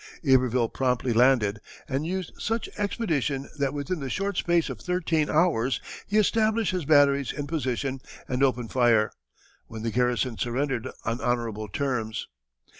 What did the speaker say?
Iberville promptly landed, and used such expedition that within the short space of thirteen hours he established his batteries in position and opened fire, when the garrison surrendered on honorable terms.